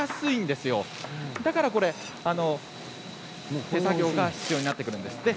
ですから手作業が必要になってくるんです。